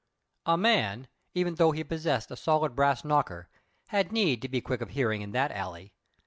A man, even though he possessed a solid brass knocker, had need to be quick of hearing in that alley.